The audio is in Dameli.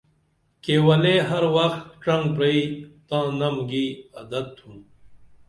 کیولے ہر وخ ڇھنگ پرئی تاں نم گی عدت تُھم